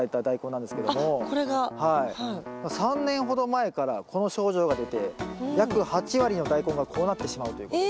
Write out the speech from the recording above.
３年ほど前からこの症状が出て約８割のダイコンがこうなってしまうということで。